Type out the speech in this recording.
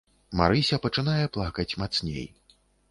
Марыся пачынае плакаць мацней.